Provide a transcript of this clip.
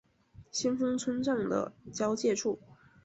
先锋村站的交界处。